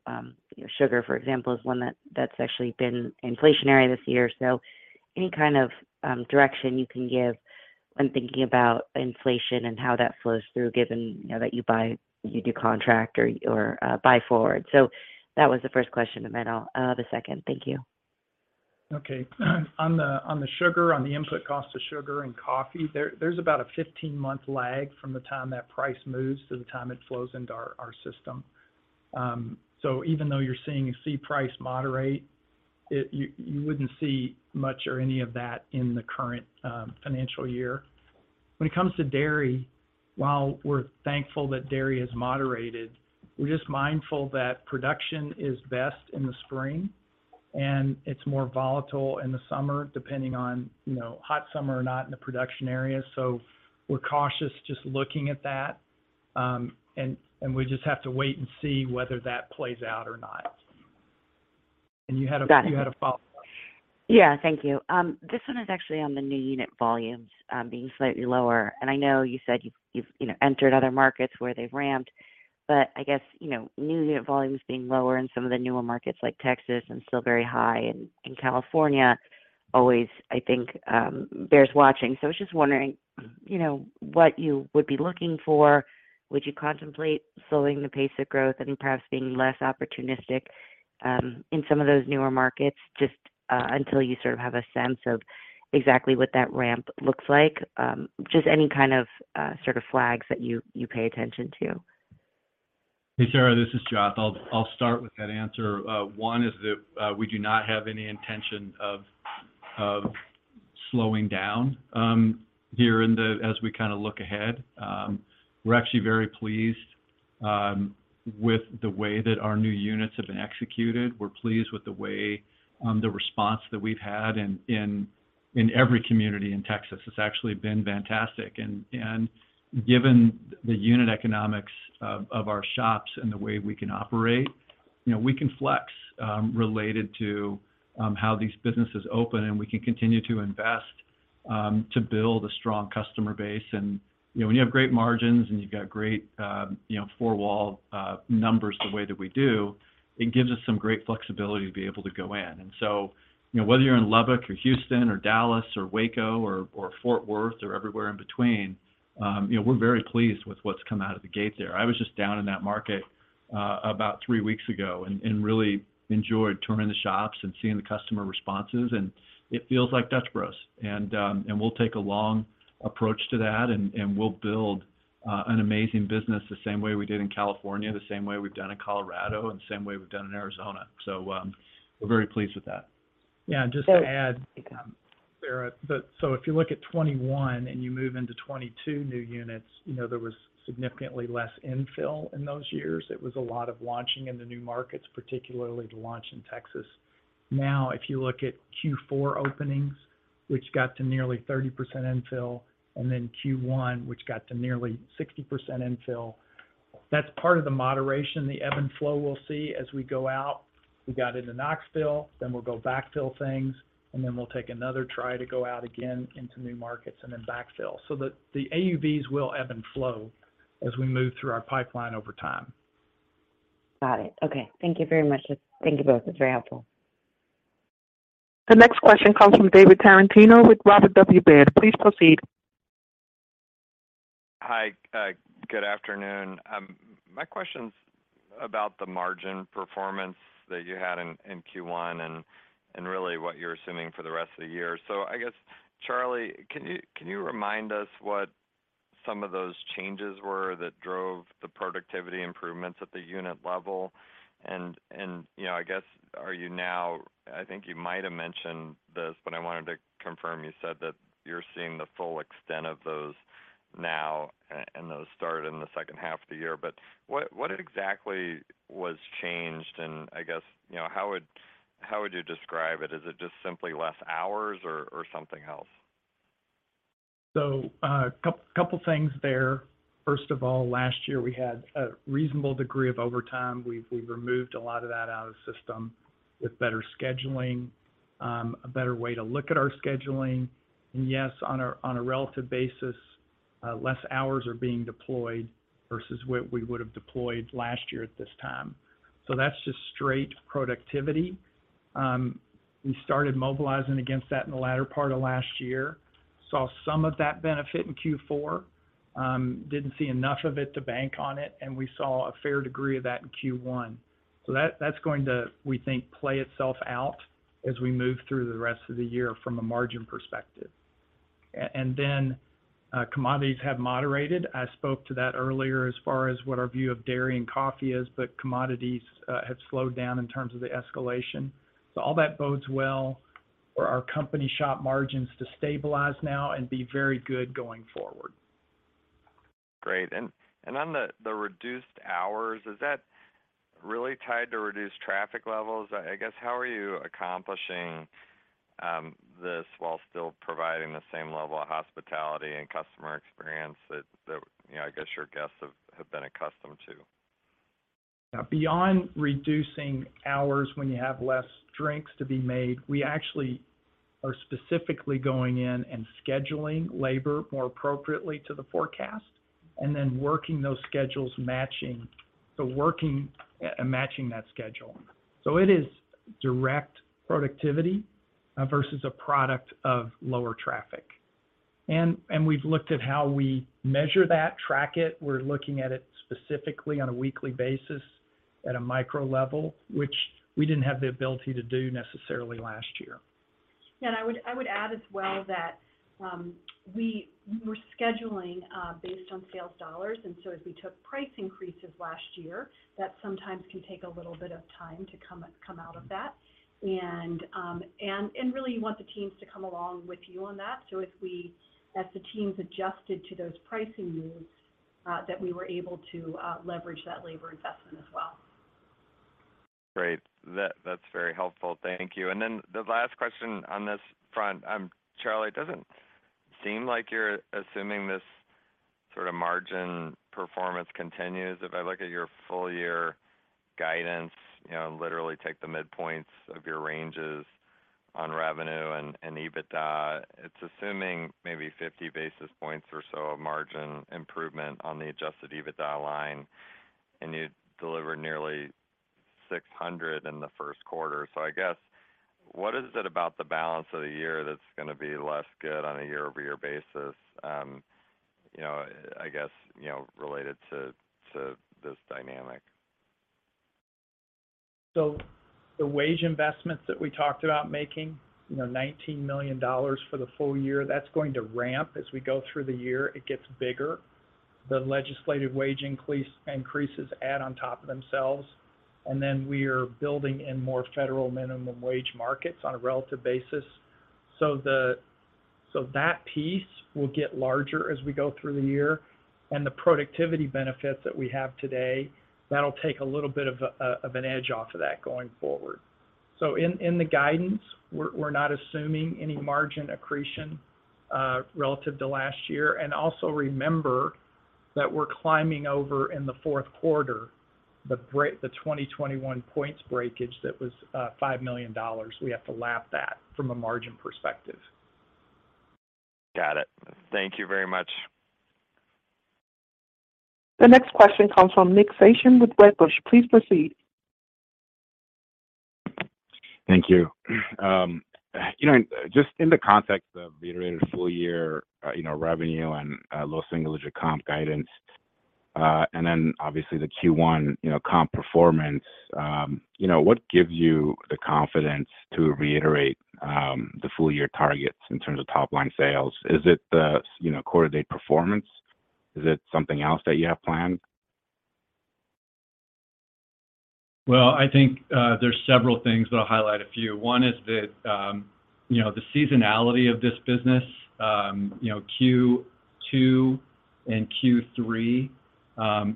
you know, sugar, for example, is one that's actually been inflationary this year. Any kind of direction you can give when thinking about inflation and how that flows through, given, you know, that you do contract or buy forward. That was the first question, and then I'll the second. Thank you. On the input cost of sugar and coffee, there's about a 15-month lag from the time that price moves to the time it flows into our system. Even though you're seeing C price moderate, you wouldn't see much or any of that in the current financial year. When it comes to dairy, while we're thankful that dairy has moderated, we're just mindful that production is best in the spring, and it's more volatile in the summer, depending on, you know, hot summer or not in the production area. We're cautious just looking at that, and we just have to wait and see whether that plays out or not. Got it. You had a follow-up. Yeah. Thank you. This one is actually on the new unit volumes being slightly lower. I know you said you've, you know, entered other markets where they've ramped, but I guess, you know, new unit volumes being lower in some of the newer markets like Texas and still very high in California always, I think, bears watching. I was just wondering, you know, what you would be looking for. Would you contemplate slowing the pace of growth and perhaps being less opportunistic in some of those newer markets just until you sort of have a sense of exactly what that ramp looks like? Just any kind of sort of flags that you pay attention to. Hey, Sara, this is Joth. I'll start with that answer. One is that we do not have any intention of slowing down here in the as we kinda look ahead. We're actually very pleased with the way that our new units have been executed. We're pleased with the way the response that we've had in every community in Texas. It's actually been fantastic. Given the unit economics of our shops and the way we can operate, you know, we can flex related to how these businesses open, and we can continue to invest to build a strong customer base. You know, when you have great margins and you've got great, you know, four-wall numbers the way that we do, it gives us some great flexibility to be able to go in. You know, whether you're in Lubbock or Houston or Dallas or Waco or Fort Worth or everywhere in between, you know, we're very pleased with what's come out of the gate there. I was just down in that market about three weeks ago and really enjoyed touring the shops and seeing the customer responses, and it feels like Dutch Bros. We'll take a long approach to that, and we'll build an amazing business the same way we did in California, the same way we've done in Colorado and the same way we've done in Arizona. We're very pleased with that. Got it. Just to add, Sara, if you look at 2021 and you move into 2022 new units, you know, there was significantly less infill in those years. It was a lot of launching in the new markets, particularly the launch in Texas. If you look at Q4 openings, which got to nearly 30% infill, Q1, which got to nearly 60% infill, that's part of the moderation, the ebb and flow we'll see as we go out. We got into Knoxville, we'll go backfill things, we'll take another try to go out again into new markets and backfill. The AUVs will ebb and flow as we move through our pipeline over time. Got it. Okay. Thank you very much. Thank you both. That's very helpful. The next question comes from David Tarantino with Robert W. Baird. Please proceed. Hi. Good afternoon. My question's about the margin performance that you had in Q1 and really what you're assuming for the rest of the year. I guess, Charley, can you remind us what some of those changes were that drove the productivity improvements at the unit level? You know, I guess, I think you might have mentioned this, but I wanted to confirm. You said that you're seeing the full extent of those now, and those start in the second half of the year. What exactly was changed? I guess, you know, how would you describe it? Is it just simply less hours or something else? Couple things there. First of all, last year, we had a reasonable degree of overtime. We've removed a lot of that out of the system with better scheduling, a better way to look at our scheduling. Yes, on a relative basis, less hours are being deployed versus what we would have deployed last year at this time. That's just straight productivity. We started mobilizing against that in the latter part of last year. Saw some of that benefit in Q4. Didn't see enough of it to bank on it, and we saw a fair degree of that in Q1. That's going to, we think, play itself out as we move through the rest of the year from a margin perspective. Then commodities have moderated. I spoke to that earlier as far as what our view of dairy and coffee is. Commodities have slowed down in terms of the escalation. All that bodes well for our company shop margins to stabilize now and be very good going forward. Great. On the reduced hours, is that really tied to reduced traffic levels? I guess, how are you accomplishing this while still providing the same level of hospitality and customer experience that, you know, I guess, your guests have been accustomed to? Beyond reducing hours when you have less drinks to be made, we actually are specifically going in and scheduling labor more appropriately to the forecast, then working and matching that schedule. It is direct productivity versus a product of lower traffic. We've looked at how we measure that, track it. We're looking at it specifically on a weekly basis at a micro level, which we didn't have the ability to do necessarily last year. I would add as well that we were scheduling based on sales dollars. As we took price increases last year, that sometimes can take a little bit of time to come out of that. Really you want the teams to come along with you on that. As the teams adjusted to those pricing moves. That we were able to leverage that labor investment as well. Great. That's very helpful. Thank you. The last question on this front, Charley, it doesn't seem like you're assuming this sort of margin performance continues. If I look at your full year guidance, you know, literally take the midpoints of your ranges on revenue and EBITDA, it's assuming maybe 50 basis points or so of margin improvement on the adjusted EBITDA line, and you delivered nearly 600 basis points in the first quarter. I guess, what is it about the balance of the year that's gonna be less good on a year-over-year basis, you know, I guess, you know, related to this dynamic? The wage investments that we talked about making, you know, $19 million for the full year, that's going to ramp as we go through the year. It gets bigger. The legislative wage increases add on top of themselves, we are building in more federal minimum wage markets on a relative basis. That piece will get larger as we go through the year. The productivity benefits that we have today, that'll take a little bit of an edge off of that going forward. In the guidance, we're not assuming any margin accretion relative to last year. Also remember that we're climbing over in the fourth quarter, the [2021] points breakage that was $5 million. We have to lap that from a margin perspective. Got it. Thank you very much. The next question comes from Nick Setyan with Wedbush. Please proceed. Thank you. you know, just in the context of the iterated full year, you know, revenue and, low single-digit comp guidance, and then obviously the Q1, you know, comp performance, you know, what gives you the confidence to reiterate, the full year targets in terms of top line sales? Is it the, you know, quarter-to- date performance? Is it something else that you have planned? Well, I think there's several things, but I'll highlight a few. One is that, you know, the seasonality of this business, you know, Q2 and Q3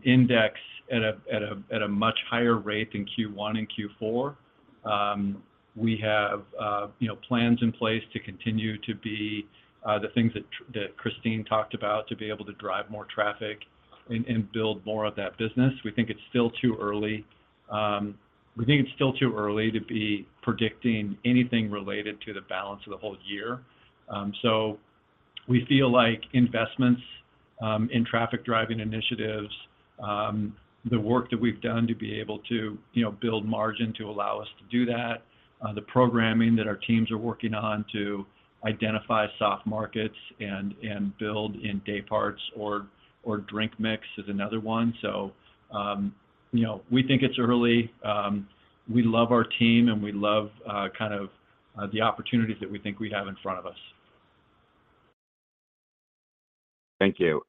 index at a much higher rate than Q1 and Q4. We have, you know, plans in place to continue to be the things that Christine talked about to be able to drive more traffic and build more of that business. We think it's still too early to be predicting anything related to the balance of the whole year. We feel like investments in traffic-driving initiatives, the work that we've done to be able to, you know, build margin to allow us to do that, the programming that our teams are working on to identify soft markets and build in day parts or drink mix is another one. You know, we think it's early. We love our team, and we love kind of the opportunities that we think we have in front of us. Thank you.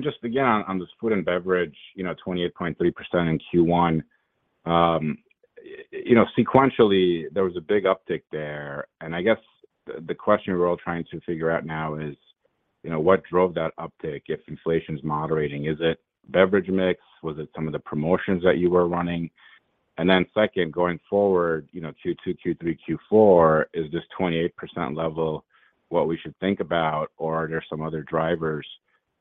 Just again on this food and beverage, you know, 28.3% in Q1. You know, sequentially, there was a big uptick there. I guess the question we're all trying to figure out now is, you know, what drove that uptick if inflation is moderating? Is it beverage mix? Was it some of the promotions that you were running? Then second, going forward, you know, Q2, Q3, Q4, is this 28% level what we should think about, or are there some other drivers,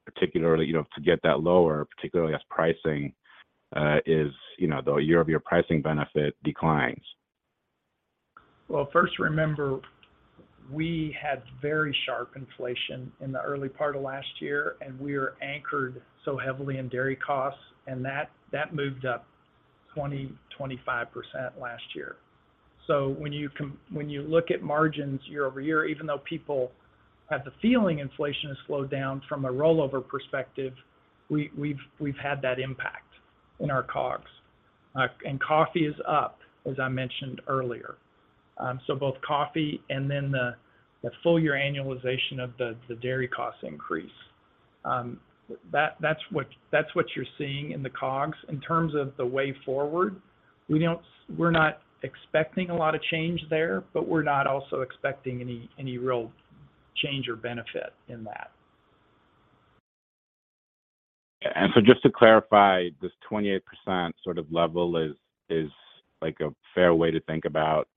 particularly, you know, to get that lower, particularly as pricing is, you know, the year-over-year pricing benefit declines? Well, first remember, we had very sharp inflation in the early part of last year, and we are anchored so heavily in dairy costs, that moved up 20%-25% last year. When you look at margins year-over-year, even though people have the feeling inflation has slowed down from a rollover perspective, we've had that impact in our COGS. And coffee is up, as I mentioned earlier. So both coffee and then the full year annualization of the dairy cost increase. That's what you're seeing in the COGS. In terms of the way forward, we're not expecting a lot of change there, but we're not also expecting any real change or benefit in that. Just to clarify, this 28% sort of level is like a fair way to think about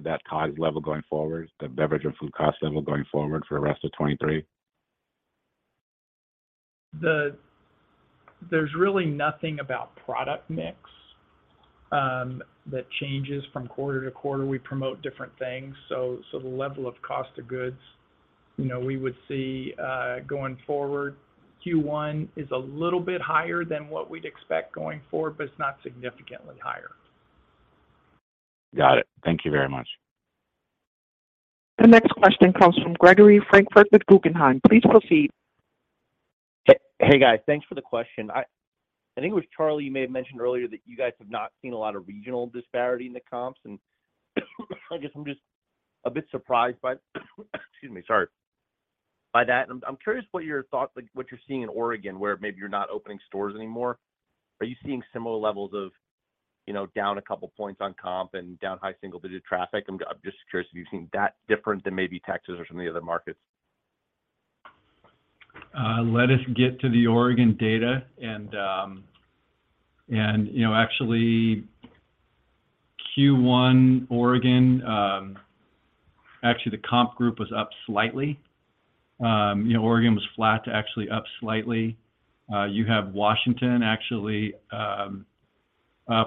that COGS level going forward, the beverage and food cost level going forward for the rest of 2023? There's really nothing about product mix that changes from quarter to quarter. We promote different things, so the level of cost of goods, you know, we would see going forward. Q1 is a little bit higher than what we'd expect going forward, but it's not significantly higher. Got it. Thank you very much. The next question comes from Gregory Francfort with Guggenheim. Please proceed. Hey, guys. Thanks for the question. I think it was Charley you may have mentioned earlier that you guys have not seen a lot of regional disparity in the comps, and I guess I'm just a bit surprised by. Excuse me. Sorry. By that. I'm curious what your thoughts, like what you're seeing in Oregon, where maybe you're not opening stores anymore. Are you seeing similar levels of You know, down a couple points on comp and down high single digit traffic? I'm just curious if you've seen that different than maybe Texas or some of the other markets. Let us get to the Oregon data and, you know, actually Q1 Oregon, actually the comp group was up slightly. You know, Oregon was flat to actually up slightly. You have Washington actually,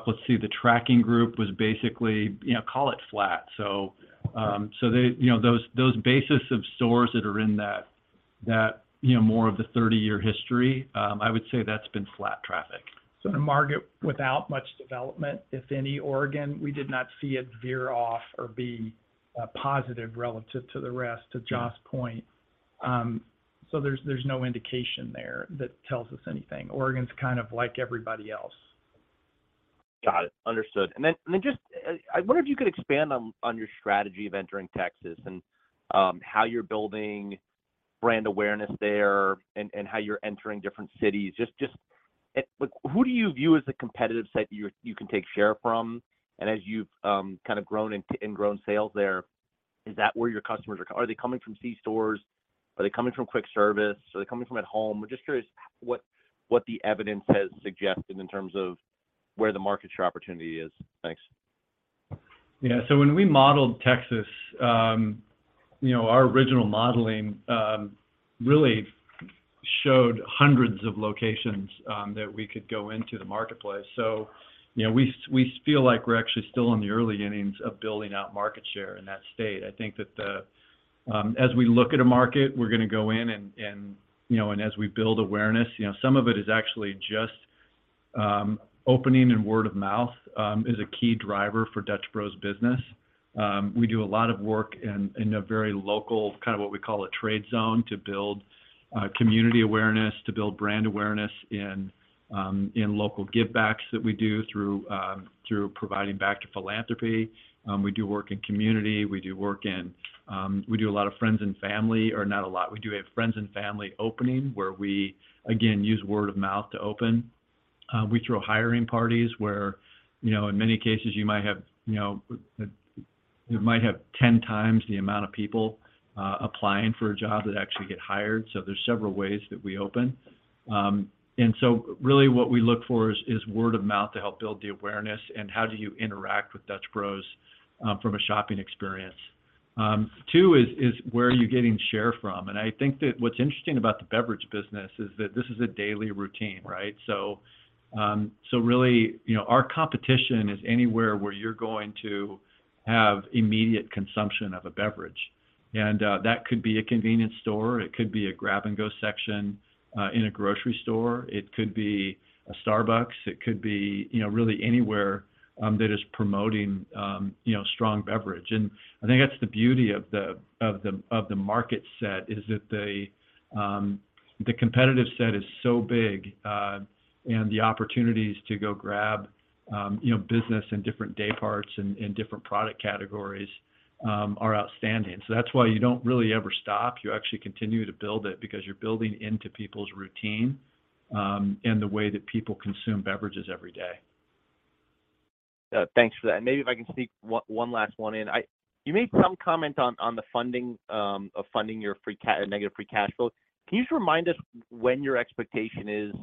let's see, the tracking group was basically, you know, call it flat. They, you know, those basis of stores that are in that, you know, more of the 30-year history, I would say that's been flat traffic. The market without much development, if any, Oregon, we did not see it veer off or be positive relative to the rest, to Joth's point. There's no indication there that tells us anything. Oregon's kind of like everybody else. Got it. Understood. Then just, I wonder if you could expand on your strategy of entering Texas and how you're building brand awareness there and how you're entering different cities. Just who do you view as a competitive set you're, you can take share from? And as you've kind of grown and grown sales there, is that where your customers? Are they coming from C stores? Are they coming from quick service? Are they coming from at home? We're just curious what the evidence has suggested in terms of where the market share opportunity is. Thanks. Yeah. When we modeled Texas, you know, our original modeling really showed hundreds of locations that we could go into the marketplace. You know, we feel like we're actually still in the early innings of building out market share in that state. I think that as we look at a market, we're gonna go in and, you know, and as we build awareness, you know, some of it is actually just opening and word of mouth is a key driver for Dutch Bros business. We do a lot of work in a very local, kind of what we call a trade zone, to build community awareness, to build brand awareness in local give backs that we do through providing back to philanthropy. We do work in community, we do work in. We do a lot of friends and family, or not a lot. We do a friends and family opening where we, again, use word of mouth to open. We throw hiring parties where, you know, in many cases you might have, you know, you might have 10 times the amount of people applying for a job that actually get hired. There's several ways that we open. Really what we look for is word of mouth to help build the awareness and how do you interact with Dutch Bros from a shopping experience. Two is where are you getting share from? I think that what's interesting about the beverage business is that this is a daily routine, right? Really, you know, our competition is anywhere where you're going to have immediate consumption of a beverage. That could be a convenience store, it could be a grab-and-go section in a grocery store. It could be a Starbucks, it could be, you know, really anywhere that is promoting, you know, strong beverage. I think that's the beauty of the, of the, of the market set, is that the competitive set is so big, and the opportunities to go grab, you know, business in different day parts and in different product categories are outstanding. That's why you don't really ever stop. You actually continue to build it because you're building into people's routine, and the way that people consume beverages every day. Thanks for that. Maybe if I can sneak one last one in. You made some comment on the funding of funding your negative free cash flow. Can you just remind us when your expectation is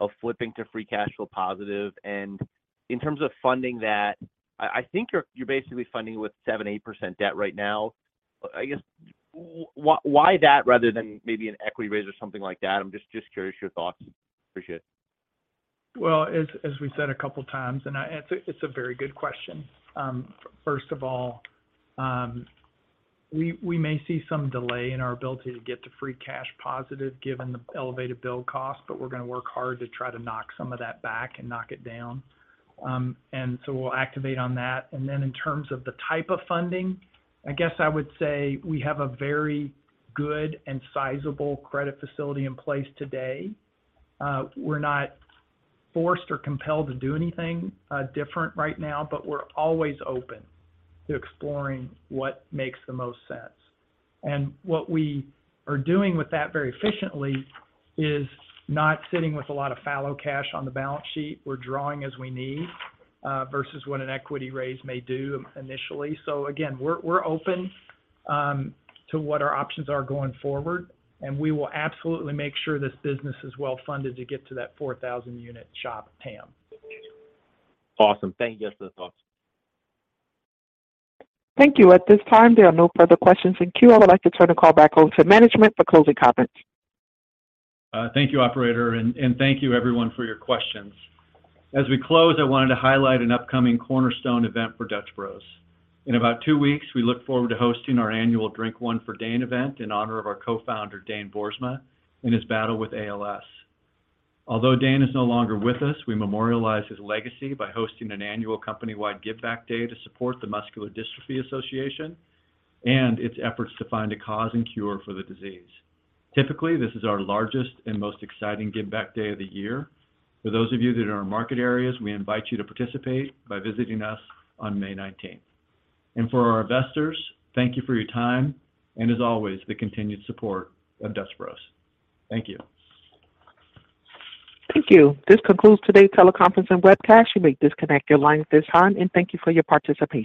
of flipping to free cash flow positive? In terms of funding that, I think you're basically funding with 7%-8% debt right now. I guess, why that rather than maybe an equity raise or something like that? I'm just curious your thoughts. Appreciate it. As we said a couple times, it's a very good question. First of all, we may see some delay in our ability to get to free cash positive given the elevated build cost, but we're gonna work hard to try to knock some of that back and knock it down. We'll activate on that. In terms of the type of funding, I guess I would say we have a very good and sizable credit facility in place today. We're not forced or compelled to do anything different right now, but we're always open to exploring what makes the most sense. What we are doing with that very efficiently is not sitting with a lot of fallow cash on the balance sheet. We're drawing as we need versus what an equity raise may do initially. Again, we're open to what our options are going forward, and we will absolutely make sure this business is well funded to get to that 4,000 unit shop TAM. Awesome. Thank you. Those are the thoughts. Thank you. At this time, there are no further questions in queue. I would like to turn the call back over to management for closing comments. Thank you, Operator, and thank you everyone for your questions. As we close, I wanted to highlight an upcoming cornerstone event for Dutch Bros. In about two weeks, we look forward to hosting our annual Drink One for Dane event in honor of our Co-founder, Dane Boersma, in his battle with ALS. Although Dane is no longer with us, we memorialize his legacy by hosting an annual company-wide give back day to support the Muscular Dystrophy Association and its efforts to find a cause and cure for the disease. Typically, this is our largest and most exciting give back day of the year. For those of you that are in our market areas, we invite you to participate by visiting us on May 19th. For our investors, thank you for your time and, as always, the continued support of Dutch Bros. Thank you. Thank you. This concludes today's teleconference and webcast. You may disconnect your lines at this time, and thank you for your participation.